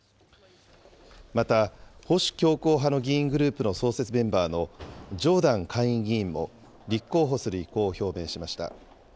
また、保守強硬派の議員グループの創設メンバーのジョーダン下院議員も立候補する意向を表明しました。